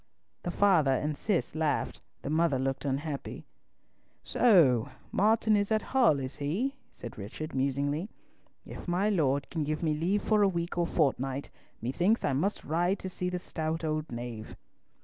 The father and Cis laughed, the mother looked unhappy. "So Martin is at Hull, is he?" said Richard, musingly. "If my Lord can give me leave for a week or fortnight, methinks I must ride to see the stout old knave."